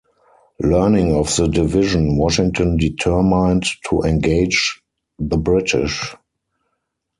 Learning of the division, Washington determined to engage the British.